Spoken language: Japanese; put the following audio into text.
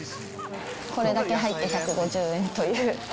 これだけ入って１５０円という。